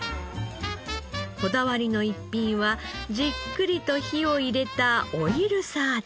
こだわりの一品はじっくりと火を入れたオイルサーディン。